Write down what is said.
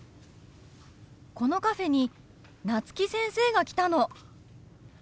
このカフェに夏木先生が来たの！